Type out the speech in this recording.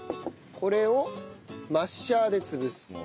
これをマッシャーで潰す。